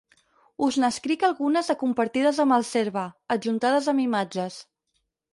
Us n'escric algunes de compartides amb el “Cerve”, adjuntades amb imatges.